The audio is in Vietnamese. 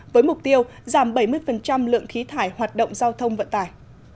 với mục tiêu giảm bảy mươi lượng khí thải hoạt động giao thông vận tải